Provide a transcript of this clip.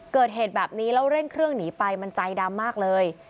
เกิดเหตุแบบนี้แล้วเร่งเครื่องหนีไปมันใจดำมากเลย